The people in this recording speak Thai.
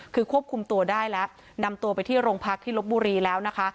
คือควบคุมตัวได้แล้วนำตัวไปที่โรงพักที่ลบบุรีแล้วนะคะ